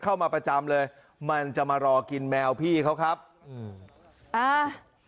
เข้ามาประจำเลยมันจะมารอกินแมวพี่เขาครับอืมอ่า